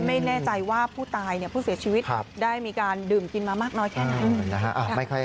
ไม่แน่ใจว่าผู้ตายผู้เสียชีวิตได้มีการดื่มกินมามากน้อยแค่ไหน